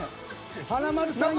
華丸さん。